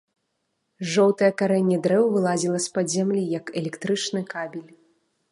Жоўтае карэнне дрэў вылазіла з-пад зямлі, як электрычны кабель.